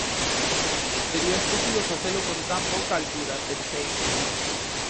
Sería estúpido facelo con tan pouca altura, pensei.